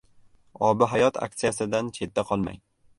“Obi hayot” aktsiyasidan chetda qolmang!